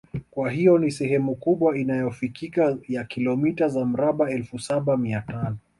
Kwa hiyo ni sehemu kubwa inayofikika ya kilomita za mraba elfu Saba Mia tano